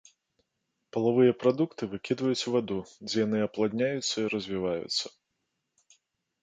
Палавыя прадукты выкідваюць у ваду, дзе яны апладняюцца і развіваюцца.